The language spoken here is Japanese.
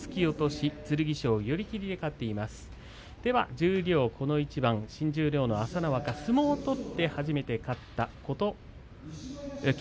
十両この一番、新十両の朝乃若相撲を取って初めて勝った旭